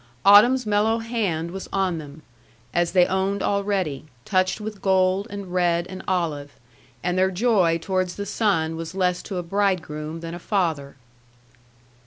Autumn's mellow hand was on them, as they owned already, touched with gold, and red, and olive; and their joy towards the sun was less to a bridegroom than a father.